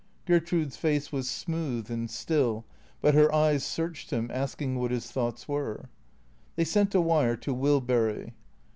Gertrude's face was smooth and still, but her eyes searched him, asking what his thoughts were. They sent a wire to Wilbury.